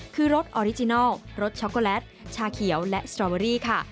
คือรสออริจินัลรสช็อกโกแลตชาเขียวและสตรอเบอรี่ค่ะ